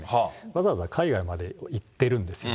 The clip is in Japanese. わざわざ海外まで行ってるんですよ。